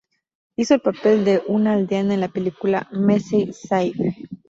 Hizo el papel de una aldeana en la película "Massey Sahib".